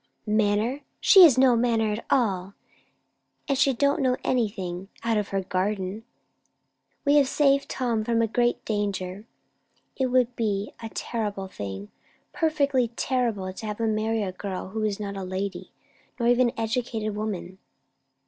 "Manner? She has no manner at all; and she don't know anything, out of her garden. We have saved Tom from a great danger. It would be a terrible thing, perfectly terrible, to have him marry a girl who is not a lady, nor even an educated woman."